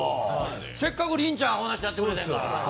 せっかくりんちゃんああしてやってくれたんやから。